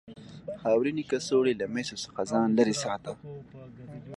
خاورینې کڅوړې له مسو څخه ځان لرې ساته.